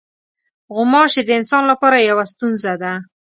غوماشې د انسان لپاره یوه ستونزه ده.